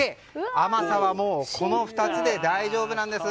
甘さはもう、この２つで大丈夫なんです。